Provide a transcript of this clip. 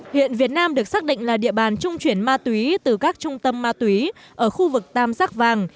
hiện việt nam được xác định là địa bàn trung chuyển ma túy từ các trung tâm ma túy ở khu vực tam giác vàng